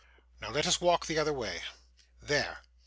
Now let us walk the other way. There.